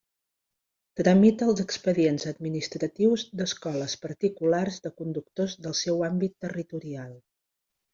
Tramita els expedients administratius d'escoles particulars de conductors del seu àmbit territorial.